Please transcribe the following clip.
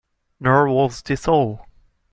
Nor was this all.